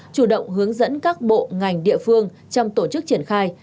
chủ động hướng dẫn các bộ ngành địa phương trong tổ chức triển khai